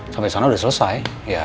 sampai sana udah selesai